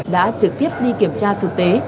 đã trực tiếp đi kiểm tra thực tế